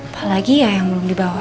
apalagi ya yang belum dibawa